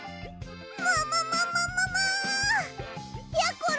もももももも！やころ